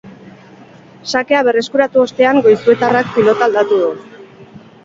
Sakea berreskuratu ostean goizuetarrak pilota aldatu du.